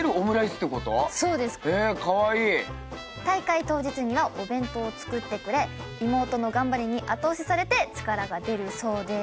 大会当日にはお弁当を作ってくれ妹の頑張りに後押しされて力が出るそうです。